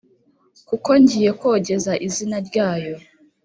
Kuko ngiye kogeza izina ryayo